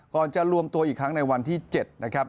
จะรวมตัวอีกครั้งในวันที่๗นะครับ